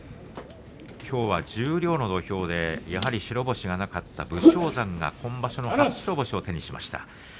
きょうは十両の土俵でやはり白星がなかった武将山が今場所の初白星を手にしました。